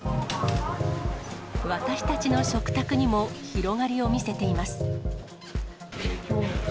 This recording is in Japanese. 私たちの食卓にも広がりを見せています。